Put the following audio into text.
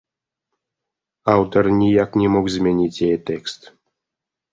Аўтар ніяк не мог змяніць яе тэкст.